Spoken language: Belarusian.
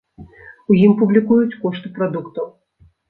У ім публікуюць кошты прадуктаў.